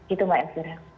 itu mbak elzira